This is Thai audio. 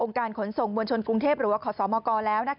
องค์การขนส่งบวชชนกรุงเทพฯหรือว่าขอสอบมกแล้ว